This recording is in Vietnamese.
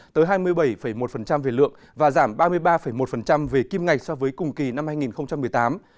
tới hai mươi bảy một về lượng và giảm ba mươi ba một về kim ngạch so với cùng kỳ năm hai nghìn một mươi tám